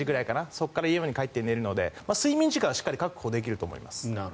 そこから家に帰って寝るので睡眠時間はしっかり確保できると思います。